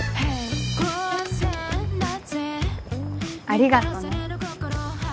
ありがとね。